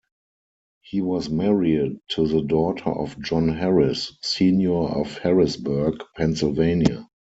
He was married to the daughter of John Harris, Senior of Harrisburg, Pennsylvania.